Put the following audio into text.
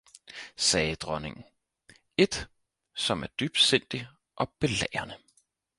sagde dronningen, et, som er dybsindigt og belærende!